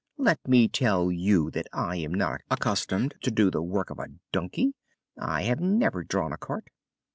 "Let me tell you that I am not accustomed to do the work of a donkey: I have never drawn a cart!"